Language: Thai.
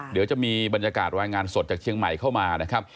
เดี๋ยวจะมีบรรยากาศรายงานสดจากเชียงใหม่เข้ามานะครับ